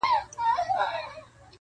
ښه ډاډه دي نه یې ډار سته له پیشیانو-